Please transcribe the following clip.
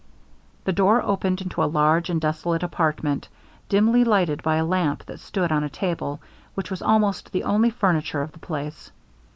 The door opened into a large and desolate apartment, dimly lighted by a lamp that stood on a table, which was almost the only furniture of the place.